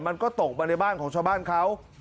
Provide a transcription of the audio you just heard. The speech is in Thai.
มันก็ตกมาในบ้านของชาวบ้านเขา